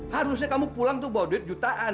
harusnya kamu pulang tuh bawa duit jutaan